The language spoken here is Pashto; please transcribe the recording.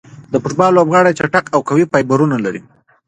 د فوټبال لوبغاړي چټک او قوي فایبرونه لري.